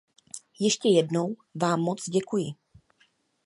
Ještě jednou vám moc děkuji.